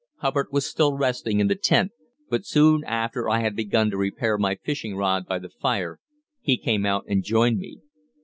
Hubbard was still resting in the tent, but soon after I had begun to repair my fishing rod by the fire he came out and joined me.